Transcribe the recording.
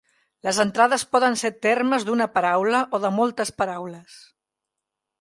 Les entrades poden ser termes d'una paraula o de moltes paraules.